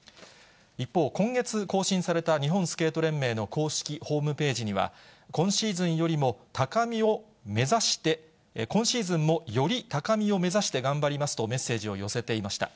一方、今月更新された日本スケート連盟の公式ホームページには、今シーズンもより高みを目指して頑張りますと、メッセージを寄せていました。